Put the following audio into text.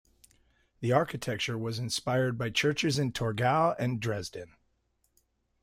The architecture was inspired by churches in Torgau and Dresden.